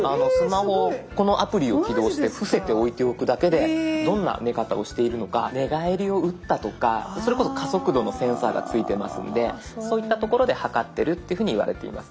このアプリを起動して伏せて置いておくだけでどんな寝方をしているのか寝返りを打ったとかそれこそ加速度のセンサーがついてますのでそういった所で測ってるっていうふうにいわれています。